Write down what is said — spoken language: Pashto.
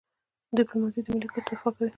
ډيپلوماسي د ملي ګټو دفاع کوي.